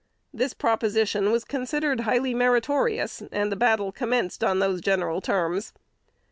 This proposition was considered highly meritorious, and the battle commenced on those general terms.